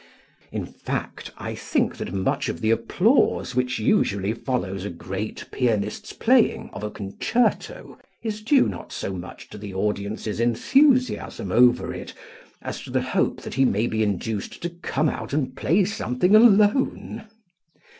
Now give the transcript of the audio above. In fact I think that much of the applause which usually follows a great pianist's playing of a concerto is due not so much to the audience's enthusiasm over it as to the hope that he may be induced to come out and play something alone.